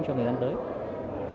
cho người dân tới